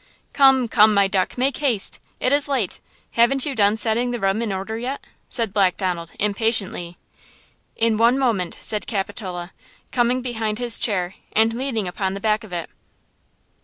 "Come–come–my duck–make haste; it is late; haven't you done setting the room in order yet?" said Black Donald, impatiently. "In one moment," said Capitola, coming behind his chair and leaning upon the back of it.